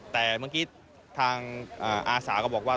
แต่เมื่อกี้ทางอาสาก็บอกว่า